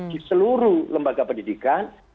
di seluruh lembaga pendidikan